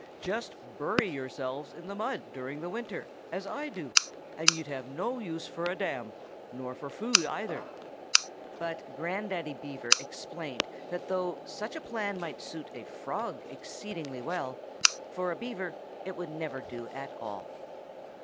"Just bury yourselves in the mud during the winter, as I do, and you'd have no use for a dam, nor for food, either." But Grandaddy Beaver explained that though such a plan might suit a Frog exceedingly well, for a Beaver it would never do at all.